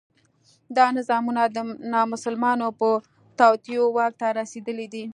دا نظامونه د نامسلمانو په توطیو واک ته رسېدلي دي.